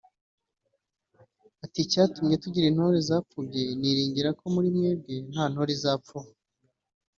Ati “Icyatumye tugira intore zapfubye niringira ko muri mwebwe nta ntore izapfuba